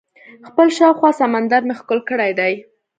خپل شاوخوا سمندر مې ښکل کړی دئ.